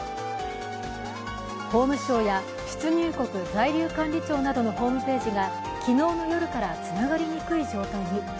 法務省や出入国在留管理庁などのホームページが昨日の夜からつながりにくい状態に。